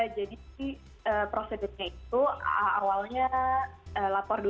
jadi prosedurnya itu awalnya lapor dulu